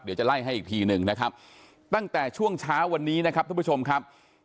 เดี๋ยวจะไล่ให้อีกทีหนึ่งนะครับตั้งแต่ช่วงเช้าวันนี้นะครับทุกผู้ชมครับ